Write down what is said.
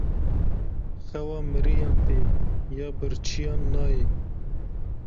Xewa miriyan tê, ya birçiyan nayê.